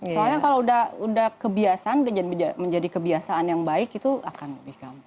soalnya kalau udah kebiasaan menjadi kebiasaan yang baik itu akan lebih gampang